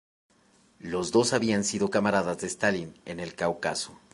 Los dos habían sido camaradas de Stalin en el Cáucaso.